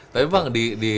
tapi bang di